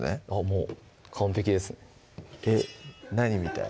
もう完璧ですねえっ何みたい？